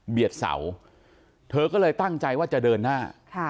เสาเธอก็เลยตั้งใจว่าจะเดินหน้า